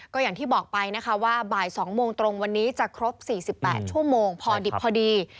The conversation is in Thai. ก็อย่างที่บอกไปนะคะว่าบ่าย๒โมงตรงวันนี้จะครบ๔๘ชั่วโมงพอดิบพอดี